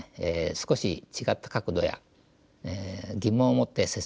少し違った角度や疑問を持って接すると。